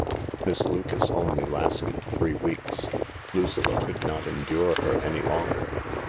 Miss Lucas only lasted three weeks. Lucilla could not endure her any longer.